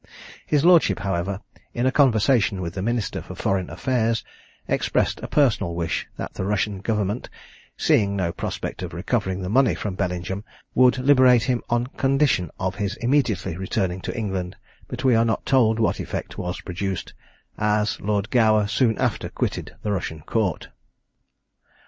His lordship, however, in a conversation with the minister for foreign affairs, expressed a personal wish that the Russian Government, seeing no prospect of recovering the money from Bellingham, would liberate him on condition of his immediately returning to England; but we are not told what effect was produced, as Lord Gower soon after quitted the Russian Court.